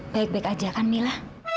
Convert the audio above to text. baik baik aja kan mila